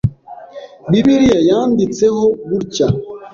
Bibiliya yanditseho gutya.